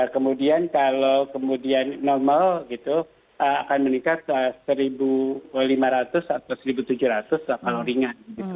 kemudian kalau kemudian normal akan meningkat satu lima ratus atau satu tujuh ratus lah kalau ringan